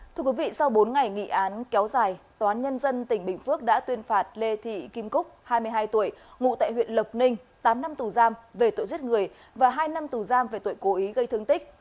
thưa quý vị sau bốn ngày nghị án kéo dài tòa án nhân dân tỉnh bình phước đã tuyên phạt lê thị kim cúc hai mươi hai tuổi ngụ tại huyện lộc ninh tám năm tù giam về tội giết người và hai năm tù giam về tội cố ý gây thương tích